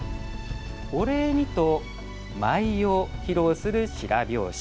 お礼にと舞を披露する白拍子。